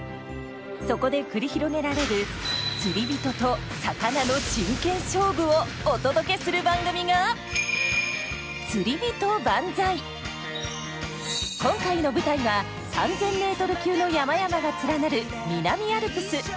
そこで繰り広げられる釣り人と魚の真剣勝負をお届けする番組が今回の舞台は３，０００メートル級の山々が連なる南アルプス。